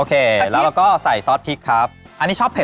แล้วเราก็ใส่ซอสพริกครับอันนี้ชอบเผ็